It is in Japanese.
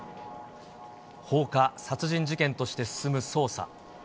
放火殺人事件として進む捜査。